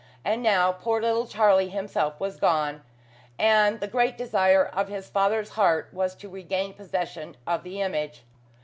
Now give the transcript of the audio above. And now poor little Charlie himself was gone, and the great desire of his father's heart was to regain possession of the image.